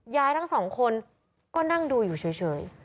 ทั้งสองคนก็นั่งดูอยู่เฉย